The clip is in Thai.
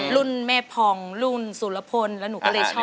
รุ่นแม่พองรุ่นสุรพลแล้วหนูก็เลยชอบ